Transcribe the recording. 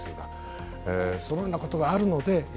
そのようなことがあるので。